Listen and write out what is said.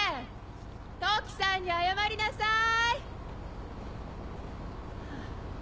トキさんに謝りなさい！